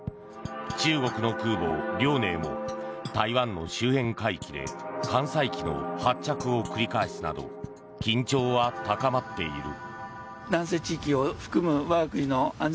中国の空母「遼寧」も台湾の周辺海域で艦載機の発着を繰り返すなど緊張は高まっている。